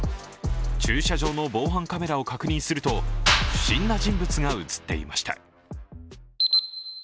駐車場の防犯カメラを確認すると、不審な人物が映っていました。